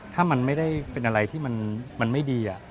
ถ้ามันไม่ได้เป็นอะไรที่มันไม่ดี